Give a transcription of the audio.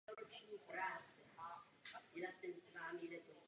V praxi se mohou objevit i případy s mezerou mezi zkratkou a číslem.